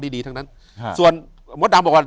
อยู่ที่แม่ศรีวิรัยิลครับ